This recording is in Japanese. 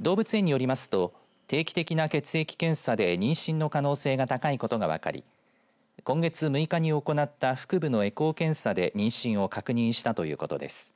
動物園によりますと定期的な血液検査で妊娠の可能性が高いことが分かり今月６日に行った腹部のエコー検査で妊娠を確認したということです。